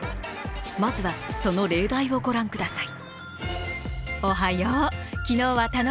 まずはその例題をご覧ください。